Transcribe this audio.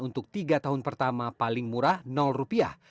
untuk tiga tahun pertama paling murah rupiah